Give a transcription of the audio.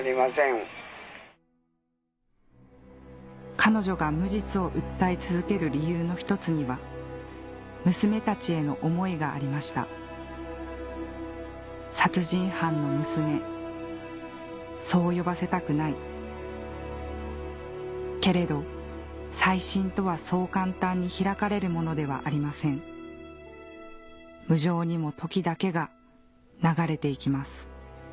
彼女が無実を訴え続ける理由の１つには娘たちへの思いがありました「殺人犯の娘」そう呼ばせたくないけれど再審とはそう簡単に開かれるものではありません無情にも時だけが流れていきます